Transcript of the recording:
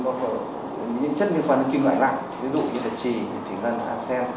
ngoài ra những chất liên quan đến kim loại lạc ví dụ như thật trì thủy ngân acen